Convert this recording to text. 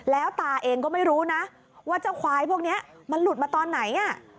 แล้วตาเองก็ไม่รู้นะว่าเจ้าควายพวกนี้มันหลุดมาตอนไหน